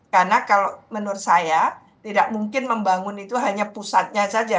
karena kalau menurut saya tidak mungkin membangun itu hanya pusatnya saja